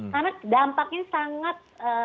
karena dampaknya sangat